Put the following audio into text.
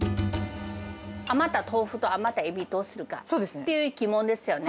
余った豆腐と余ったエビ、どうするかという疑問ですよね。